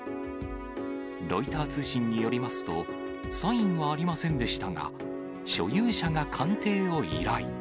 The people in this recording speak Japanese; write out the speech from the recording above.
ロイター通信によりますと、サインはありませんでしたが、所有者が鑑定を依頼。